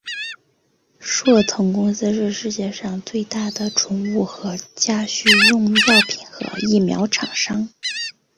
硕腾公司是世界上最大的宠物和家畜用药品和疫苗厂商。